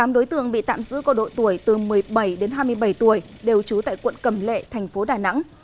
tám đối tượng bị tạm giữ có độ tuổi từ một mươi bảy đến hai mươi bảy tuổi đều trú tại quận cầm lệ tp đn